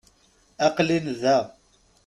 Aqel-in da.